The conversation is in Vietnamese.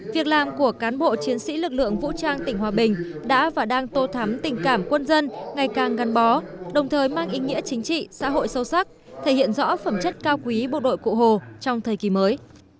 việc làm của cán bộ chiến sĩ lực lượng vũ trang tỉnh hòa bình đã và đang tô thắm tình cảm quân dân ngày càng gắn bó đồng thời mang ý nghĩa chính trị xã hội sâu sắc thể hiện rõ phẩm chất cao quý bộ đội cụ hồ trong thời kỳ mới